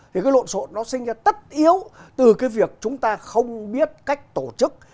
thì cái lộn xộn nó sinh ra tất yếu từ cái việc chúng ta không biết cách tổ chức